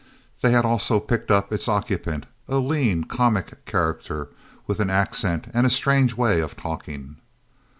They had also picked up its occupant, a lean comic character with an accent and a strange way of talking.